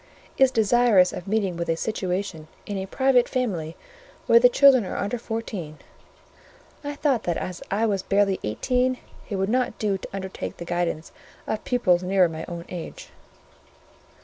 "is desirous of meeting with a situation in a private family where the children are under fourteen" (I thought that as I was barely eighteen, it would not do to undertake the guidance of pupils nearer my own age).